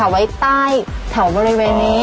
ไว้ใต้แถวบริเวณนี้